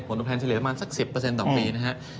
ฝนอภัณฑ์เจริตก็สัก๑๐ต่อปีนะฮะ